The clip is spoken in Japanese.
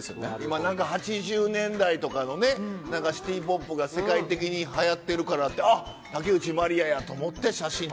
今なんか８０年代とかのねなんかシティポップが世界的にはやってるからってあっ竹内まりやや！と思って写真撮ったって。